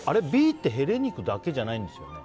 Ｂってヘレ肉だけじゃないんですよね？